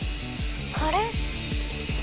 あれ？